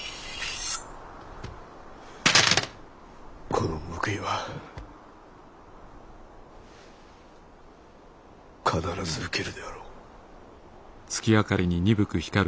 この報いは必ず受けるであろう。